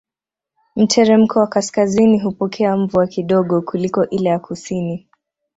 Mteremko wa kaskazini hupokea mvua kidogo kuliko ile ya kusini